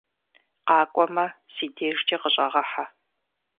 Къакӏуэмэ, си дежкӀэ къыщӀэгъэхьэ.